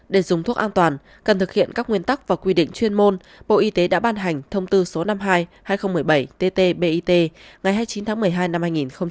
để dùng thuốc an toàn cần thực hiện các nguyên tắc và quy định chuyên môn bộ y tế đã ban hành thông tư số năm mươi hai hai nghìn một mươi bảy tt bit ngày hai mươi chín tháng một mươi hai năm hai nghìn một mươi chín